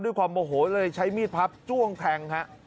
ด้วยความโมโหเลยใช้มีดพับจ้วงแทงฮะ